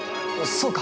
そうか！